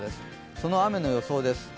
その雨の予想です。